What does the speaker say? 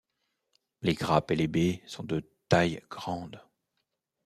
Les grappes et les baies sont de taille grande.